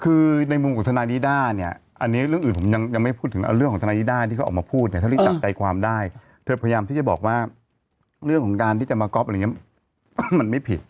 คือในมุมของทนายนิด้าเนี่ยอันนี้เรื่องอื่นผมยังไม่พูดถึงเรื่องของทนายนิด้าที่เขาออกมาพูดเนี่ยเท่าที่จับใจความได้เธอพยายามที่จะบอกว่าเรื่องของการที่จะมาก๊อฟอะไรอย่างนี้มันไม่ผิด